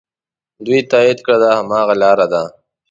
دوی تایید کړه دا هماغه لاره ده.